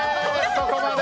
そこまで。